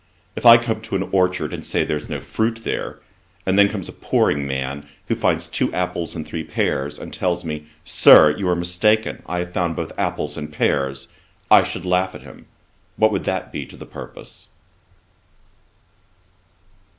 If I come to an orchard, and say there's no fruit here, and then comes a poring man, who finds two apples and three pears, and tells me, "Sir, you are mistaken, I have found both apples and pears," I should laugh at him: what would that be to the purpose?'